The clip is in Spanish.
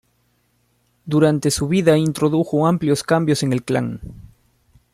Durante su vida introdujo amplios cambios en el clan.